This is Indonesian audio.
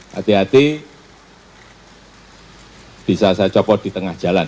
hati hati bisa saya copot di tengah jalan